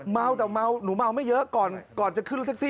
เมาแต่เมาหนูเมาไม่เยอะก่อนจะขึ้นรถแท็กซี่